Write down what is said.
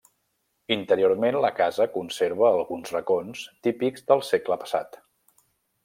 Interiorment la casa conserva alguns racons típics del segle passat.